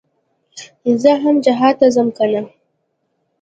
زه هم جهاد ته ځم کنه.